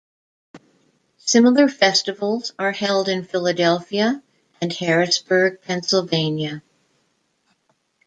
Similar festivals are held in Philadelphia and Harrisburg, Pennsylvania.